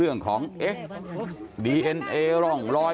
เพื่อนบ้านเจ้าหน้าที่อำรวจกู้ภัย